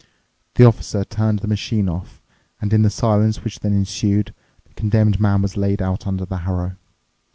The Officer turned the machine off, and in the silence which then ensued the Condemned Man was laid out under the harrow.